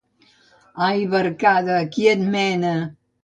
Ai, barcada, qui et mena!